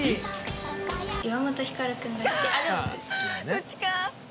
そっちか！